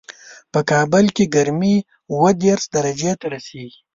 په کابل کې ګرمي اووه دېش درجو ته رسېږي